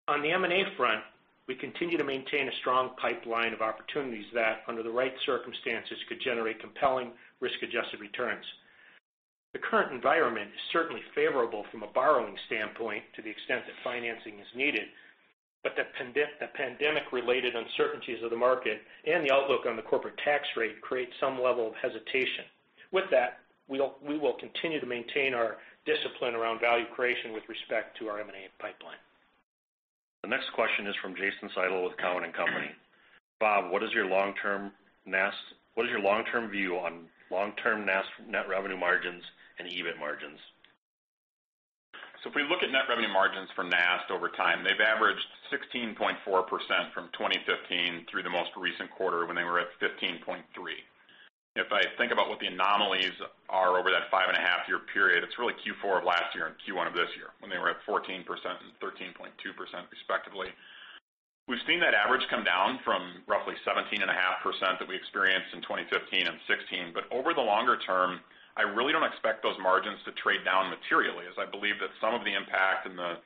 On the M&A front, we continue to maintain a strong pipeline of opportunities that, under the right circumstances, could generate compelling risk-adjusted returns. The current environment is certainly favorable from a borrowing standpoint to the extent that financing is needed, but the pandemic-related uncertainties of the market and the outlook on the corporate tax rate create some level of hesitation. With that, we will continue to maintain our discipline around value creation with respect to our M&A pipeline. The next question is from Jason Seidl with Cowen and Company. Bob, what is your long-term view on long-term NAST net revenue margins and EBIT margins? If we look at net revenue margins from NAST over time, they've averaged 16.4% from 2015 through the most recent quarter when they were at 15.3%. If I think about what the anomalies are over that five and a half year period, it's really Q4 of last year and Q1 of this year when they were at 14% and 13.2% respectively. We've seen that average come down from roughly 17.5% that we experienced in 2015 and 2016. Over the longer term, I really don't expect those margins to trade down materially, as I believe that some of the impact in the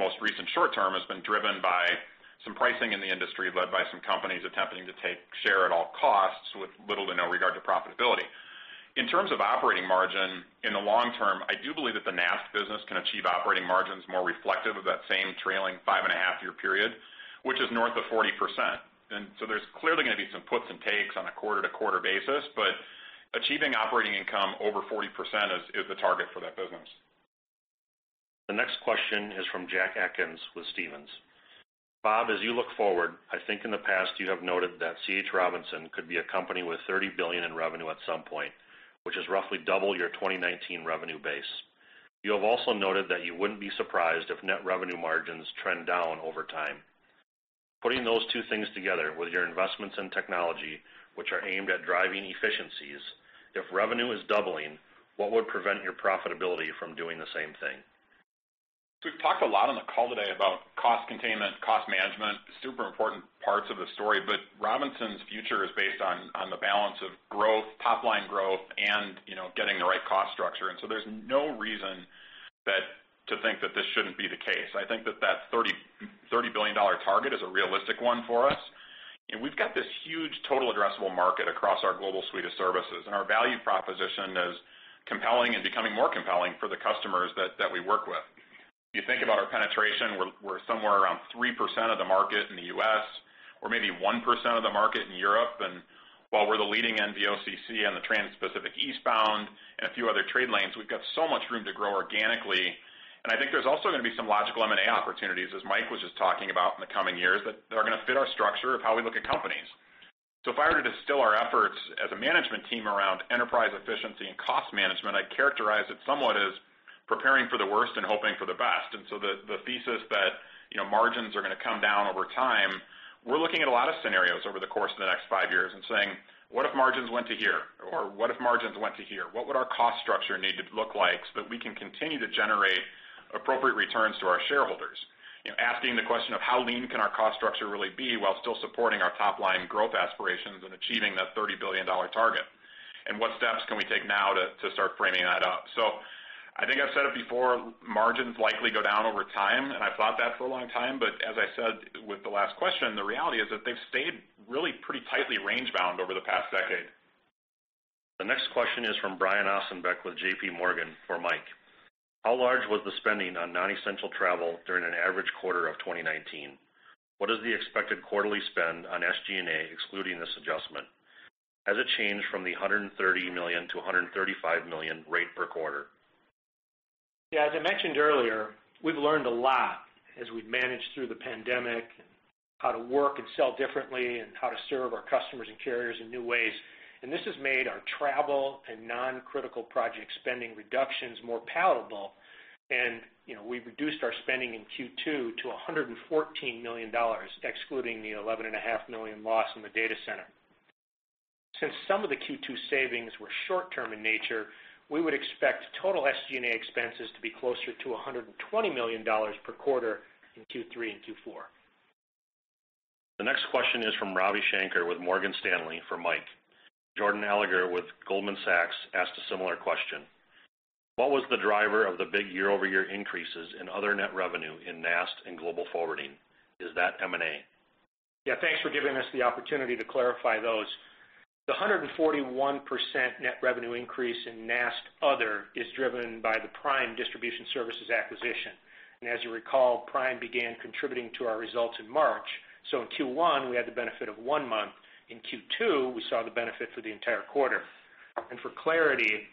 most recent short term has been driven by some pricing in the industry, led by some companies attempting to take share at all costs with little to no regard to profitability. In terms of operating margin, in the long term, I do believe that the NAST business can achieve operating margins more reflective of that same trailing five and a half year period, which is north of 40%. There's clearly going to be some puts and takes on a quarter-to-quarter basis, but achieving operating income over 40% is the target for that business. The next question is from Jack Atkins with Stephens. Bob, as you look forward, I think in the past you have noted that C.H. Robinson could be a company with $30 billion in revenue at some point, which is roughly double your 2019 revenue base. You have also noted that you wouldn't be surprised if net revenue margins trend down over time. Putting those two things together with your investments in technology, which are aimed at driving efficiencies, if revenue is doubling, what would prevent your profitability from doing the same thing? We've talked a lot on the call today about cost containment, cost management, super important parts of the story, but Robinson's future is based on the balance of top line growth and getting the right cost structure. There's no reason to think that this shouldn't be the case. I think that $30 billion target is a realistic one for us, and we've got this huge total addressable market across our global suite of services, and our value proposition is compelling and becoming more compelling for the customers that we work with. You think about our penetration, we're somewhere around 3% of the market in the U.S. or maybe 1% of the market in Europe. While we're the leading NVOCC on the trans-Pacific eastbound and a few other trade lanes, we've got so much room to grow organically. I think there's also going to be some logical M&A opportunities, as Mike was just talking about in the coming years, that are going to fit our structure of how we look at companies. If I were to distill our efforts as a management team around enterprise efficiency and cost management, I'd characterize it somewhat as preparing for the worst and hoping for the best. The thesis that margins are going to come down over time, we're looking at a lot of scenarios over the course of the next five years and saying, What if margins went to here? What if margins went to here? What would our cost structure need to look like so that we can continue to generate appropriate returns to our shareholders? Asking the question of how lean can our cost structure really be while still supporting our top-line growth aspirations and achieving that $30 billion target, and what steps can we take now to start framing that up. I think I've said it before, margins likely go down over time, and I've thought that for a long time, but as I said with the last question, the reality is that they've stayed really pretty tightly range bound over the past decade. The next question is from Brian Ossenbeck with JPMorgan for Mike. How large was the spending on non-essential travel during an average quarter of 2019? What is the expected quarterly spend on SG&A excluding this adjustment? Has it changed from the $130 million-$135 million rate per quarter? Yeah, as I mentioned earlier, we've learned a lot as we've managed through the pandemic, how to work and sell differently, and how to serve our customers and carriers in new ways. This has made our travel and non-critical project spending reductions more palatable. We've reduced our spending in Q2 to $114 million, excluding the $11.5 million loss in the data center. Since some of the Q2 savings were short-term in nature, we would expect total SG&A expenses to be closer to $120 million per quarter in Q3 and Q4. The next question is from Ravi Shanker with Morgan Stanley for Mike. Jordan Alliger with Goldman Sachs asked a similar question. What was the driver of the big year-over-year increases in other net revenue in NAST and global forwarding? Is that M&A? Yeah. Thanks for giving us the opportunity to clarify those. The 141% net revenue increase in NAST other is driven by the Prime Distribution Services acquisition. As you recall, Prime began contributing to our results in March, so in Q1 we had the benefit of one month. In Q2, we saw the benefit for the entire quarter. For clarity,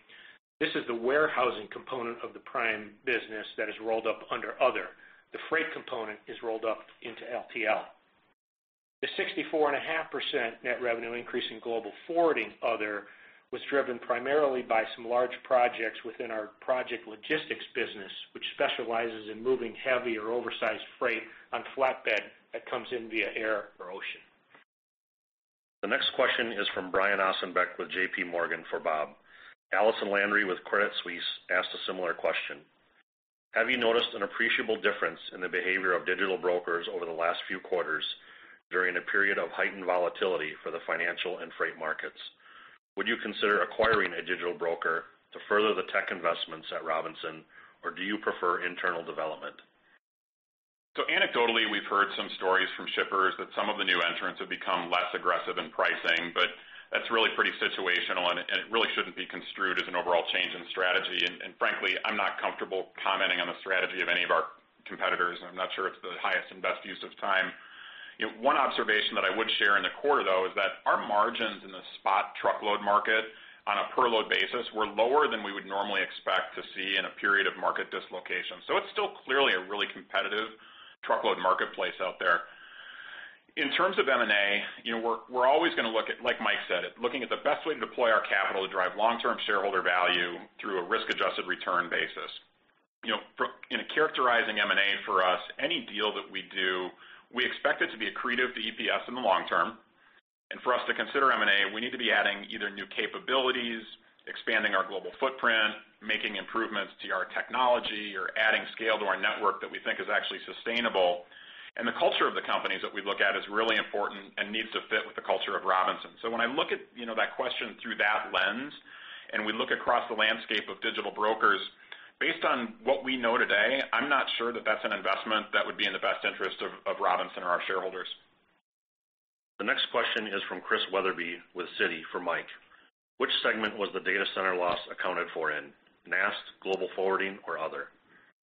this is the warehousing component of the Prime business that is rolled up under other. The freight component is rolled up into LTL. The 64.5% net revenue increase in global forwarding other was driven primarily by some large projects within our project logistics business, which specializes in moving heavy or oversized freight on flatbed that comes in via air or ocean. The next question is from Brian Ossenbeck with JPMorgan for Bob. Allison Landry with Credit Suisse asked a similar question. Have you noticed an appreciable difference in the behavior of digital brokers over the last few quarters during a period of heightened volatility for the financial and freight markets? Would you consider acquiring a digital broker to further the tech investments at Robinson, or do you prefer internal development? Anecdotally, we've heard some stories from shippers that some of the new entrants have become less aggressive in pricing, but that's really pretty situational, and it really shouldn't be construed as an overall change in strategy. Frankly, I'm not comfortable commenting on the strategy of any of our competitors, and I'm not sure it's the highest and best use of time. One observation that I would share in the quarter, though, is that our margins in the spot truckload market on a per load basis were lower than we would normally expect to see in a period of market dislocation. It's still clearly a really competitive truckload marketplace out there. In terms of M&A, we're always, like Mike said, looking at the best way to deploy our capital to drive long-term shareholder value through a risk-adjusted return basis. Characterizing M&A for us, any deal that we do, we expect it to be accretive to EPS in the long term. For us to consider M&A, we need to be adding either new capabilities, expanding our global footprint, making improvements to our technology, or adding scale to our network that we think is actually sustainable. The culture of the companies that we look at is really important and needs to fit with the culture of Robinson. When I look at that question through that lens, and we look across the landscape of digital brokers, based on what we know today, I'm not sure that that's an investment that would be in the best interest of Robinson or our shareholders. The next question is from Chris Wetherbee with Citi for Mike. Which segment was the data center loss accounted for in? NAST, Global Forwarding, or other?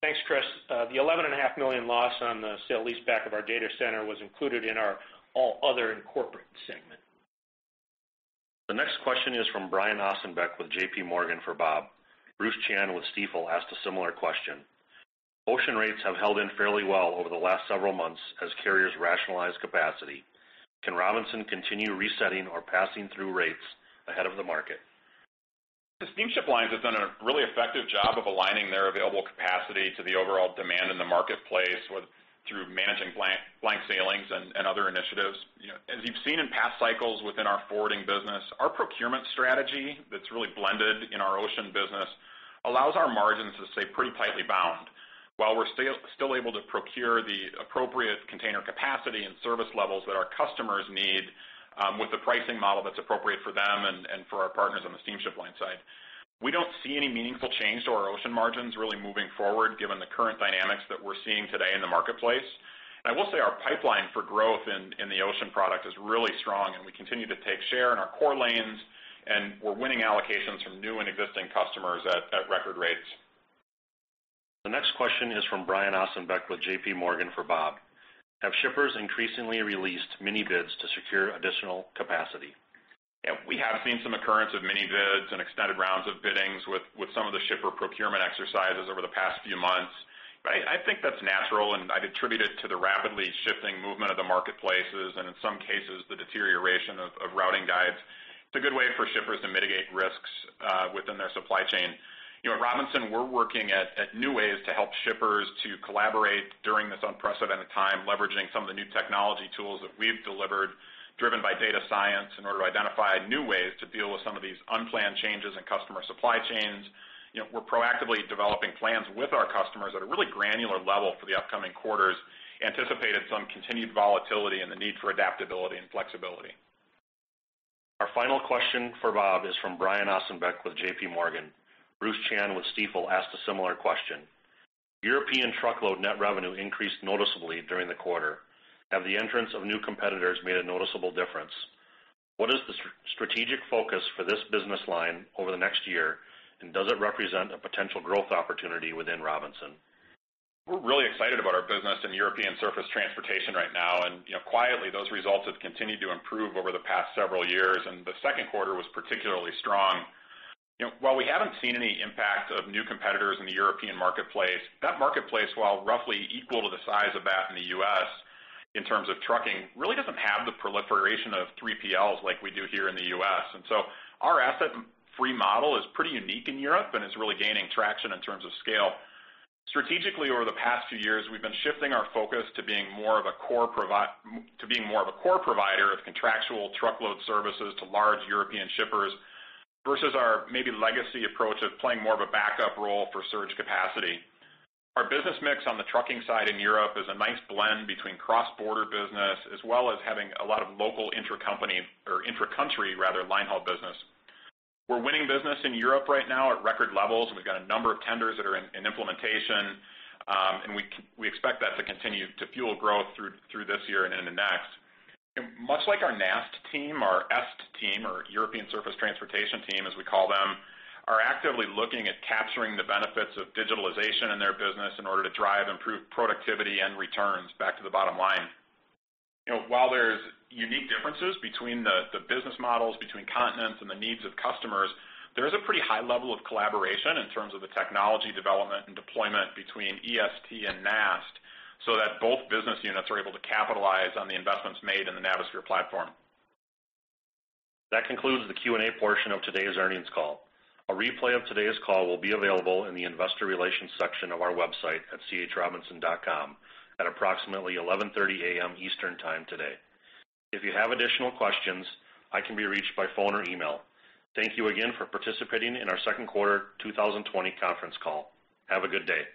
Thanks, Chris. The $11.5 million loss on the sale-leaseback of our data center was included in our All Other and Corporate segment. The next question is from Brian Ossenbeck with JPMorgan for Bob. Bruce Chan with Stifel asked a similar question. Ocean rates have held in fairly well over the last several months as carriers rationalize capacity. C.H. Robinson continue resetting or passing through rates ahead of the market? The steamship lines have done a really effective job of aligning their available capacity to the overall demand in the marketplace through managing blank sailings and other initiatives. As you've seen in past cycles within our forwarding business, our procurement strategy that's really blended in our ocean business allows our margins to stay pretty tightly bound while we're still able to procure the appropriate container capacity and service levels that our customers need with the pricing model that's appropriate for them and for our partners on the steamship line side. We don't see any meaningful change to our ocean margins really moving forward, given the current dynamics that we're seeing today in the marketplace. I will say our pipeline for growth in the ocean product is really strong, and we continue to take share in our core lanes, and we're winning allocations from new and existing customers at record rates. The next question is from Brian Ossenbeck with JPMorgan for Bob. Have shippers increasingly released mini bids to secure additional capacity? Yeah. We have seen some occurrence of mini bids and extended rounds of biddings with some of the shipper procurement exercises over the past few months. I think that's natural, and I'd attribute it to the rapidly shifting movement of the marketplaces and, in some cases, the deterioration of routing guides. It's a good way for shippers to mitigate risks within their supply chain. At Robinson, we're working at new ways to help shippers to collaborate during this unprecedented time, leveraging some of the new technology tools that we've delivered, driven by data science, in order to identify new ways to deal with some of these unplanned changes in customer supply chains. We're proactively developing plans with our customers at a really granular level for the upcoming quarters, anticipating some continued volatility and the need for adaptability and flexibility. Our final question for Bob is from Brian Ossenbeck with JPMorgan. Bruce Chan with Stifel asked a similar question. European truckload net revenue increased noticeably during the quarter. Have the entrance of new competitors made a noticeable difference? What is the strategic focus for this business line over the next year, and does it represent a potential growth opportunity within Robinson? We're really excited about our business in European Surface Transportation right now. Quietly, those results have continued to improve over the past several years, and the second quarter was particularly strong. While we haven't seen any impact of new competitors in the European marketplace, that marketplace, while roughly equal to the size of that in the U.S. in terms of trucking, really doesn't have the proliferation of 3PLs like we do here in the U.S. Our asset-free model is pretty unique in Europe and is really gaining traction in terms of scale. Strategically, over the past few years, we've been shifting our focus to being more of a core provider of contractual truckload services to large European shippers versus our maybe legacy approach of playing more of a backup role for surge capacity. Our business mix on the trucking side in Europe is a nice blend between cross-border business as well as having a lot of local intracompany, or intracountry rather, line haul business. We're winning business in Europe right now at record levels, and we've got a number of tenders that are in implementation. We expect that to continue to fuel growth through this year and into next. Much like our NAST team, our EST team, or European Surface Transportation team, as we call them, are actively looking at capturing the benefits of digitalization in their business in order to drive improved productivity and returns back to the bottom line. While there's unique differences between the business models between continents and the needs of customers, there is a pretty high level of collaboration in terms of the technology development and deployment between EST and NAST so that both business units are able to capitalize on the investments made in the Navisphere platform. That concludes the Q&A portion of today's earnings call. A replay of today's call will be available in the investor relations section of our website at chrobinson.com at approximately 11:30 A.M. Eastern Time today. If you have additional questions, I can be reached by phone or email. Thank you again for participating in our second quarter 2020 conference call. Have a good day.